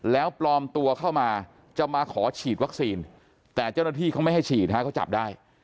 แล้วปลอมตัวเข้ามาจะมาขอฉีดวัคซีนแต่เจ้าหน้าที่เขาไม่ให้ฉีดเขาจับได้